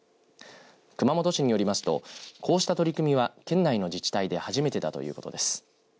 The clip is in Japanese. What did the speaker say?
熊本市によりますとこうした取り組みは県内の自治体で初めてだということです。